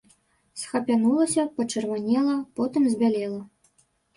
Схапянулася, пачырванела, потым збялела.